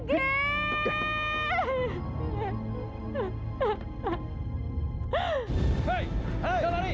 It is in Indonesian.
hei jangan lari